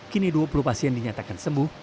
kini dua puluh pasien dinyatakan sembuh